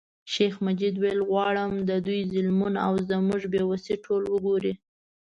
شیخ مجید ویل غواړم د دوی ظلمونه او زموږ بې وسي ټول وګوري.